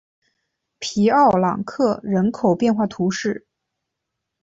皮奥朗克人口变化图示